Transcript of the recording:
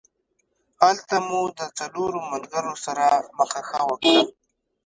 هلته مو د څلورو ملګرو سره مخه ښه وکړه.